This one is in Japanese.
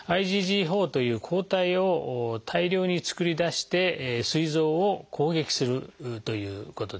ＩｇＧ４という抗体を大量に作り出してすい臓を攻撃するということですね。